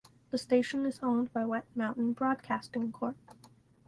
The station is owned by Wet Mountain Broadcasting Corp.